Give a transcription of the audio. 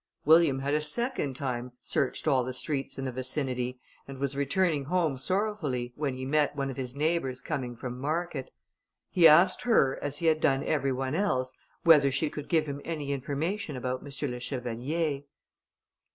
William had a second time searched all the streets in the vicinity, and was returning home sorrowfully, when he met one of his neighbours coming from market. He asked her, as he had done every one else, whether she could give him any information about M. le Chevalier.